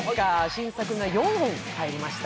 新作が４本入りました。